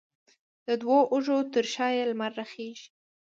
د دوو اوږو ترشا یې، لمر راخیژې